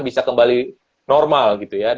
bisa kembali normal gitu ya